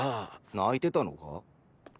泣いてたのか？